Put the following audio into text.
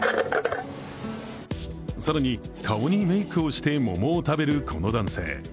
更に、顔にメークをして桃を食べるこの男性。